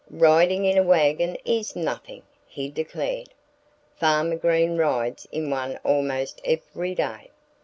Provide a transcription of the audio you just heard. "Riding in a wagon is nothing," he declared. "Farmer Green rides in one almost every day.